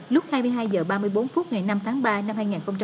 lúc hai mươi hai h ba mươi bốn phút ngày năm tháng ba năm hai nghìn một mươi chín